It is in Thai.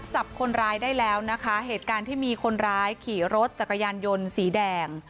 จับคนร้ายได้แล้วนะคะเหตุการณ์ที่มีคนร้ายขี่รถจักรยานยนต์สีแดง